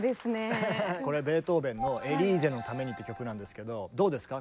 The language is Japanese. ベートーベンの「エリーゼのために」って曲なんですけどどうですか？